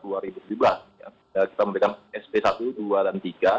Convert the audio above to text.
kita memberikan sp satu dua dan tiga